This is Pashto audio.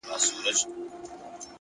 د کړکۍ پر شیشه د لاس نښه ژر ورکه شي.!